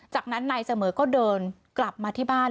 จากนั้นนายเสมอก็เดินกลับมาที่บ้าน